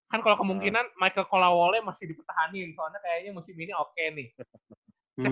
kan kalau kemungkinan michael colawole masih dipertahanin soalnya kayaknya musim ini masih masih dipertahanin